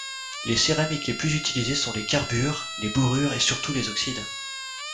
Les céramiques les plus utilisées sont les carbures, les borures et surtout les oxydes.